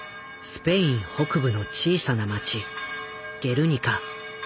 スペイン北部の小さな町ゲルニカ。